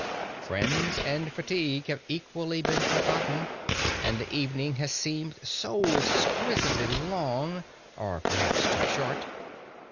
Friends and fatigue have equally been forgotten, and the evening has seemed so exquisitely long (or perhaps too short)!